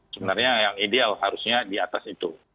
sebenarnya yang ideal harusnya di atas itu